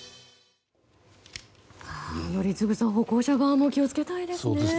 宜嗣さん歩行者側も気を付けたいですね。